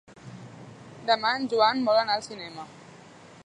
Demà en Joan vol anar al cinema.